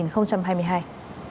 nhâm dần hai nghìn hai mươi hai